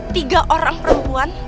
tiga orang perempuan